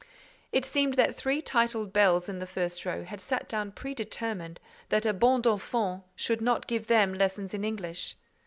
It seems that three titled belles in the first row had sat down predetermined that a bonne d'enfants should not give them lessons in English.